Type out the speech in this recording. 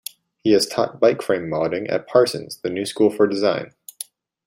He has taught bike frame welding at Parsons The New School for Design.